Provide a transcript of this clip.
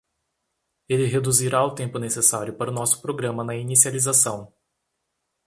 Ele reduzirá o tempo necessário para o nosso programa na inicialização.